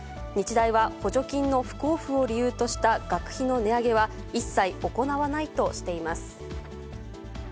日大は補助金の不交付を理由とした学費の値上げは、一切行わないとしています。